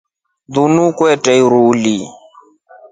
Lunu kwete iruhuL.